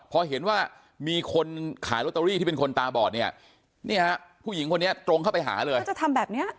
พอเห็นว่ามีคนขายโรตเตอรี่ที่เป็นคนตาบอดเนี่ยผู้หญิงคนนี้ตรงเข้าไปหาเลย